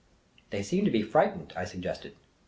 " They seem to be frightened," I suggested.